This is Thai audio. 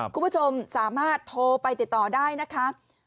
คุณผู้ชมสามารถโทรไปติดต่อได้นะคะ